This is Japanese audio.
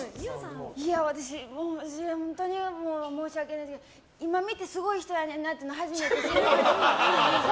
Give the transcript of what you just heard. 私、申し訳ないんですけど今見て、すごい人やねんなって初めて知りました。